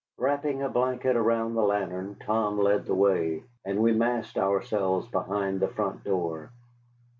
Wrapping a blanket around the lantern, Tom led the way, and we massed ourselves behind the front door.